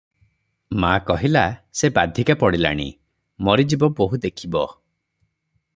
ମା କହିଲା, ସେ ବାଧିକା ପଡିଲାଣି, ମରିଯିବ- ବୋହୂ ଦେଖିବ ।